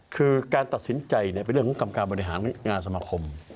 คือการตัดสินใจเป็นเรื่องของกรรมการบริหารงานสมาคม